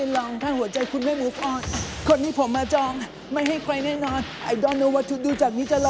เอ้ามีแต่งให้หลูกหรือเหรอแต่งให้คุณเคฟเลยเหรอ